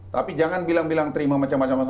tapi jangan bilang bilang terima macam macam